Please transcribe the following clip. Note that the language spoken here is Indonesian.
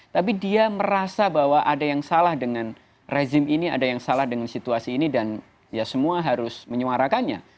tapi dia merasa bahwa ada yang salah dengan rezim ini ada yang salah dengan situasi ini dan ya semua harus menyuarakannya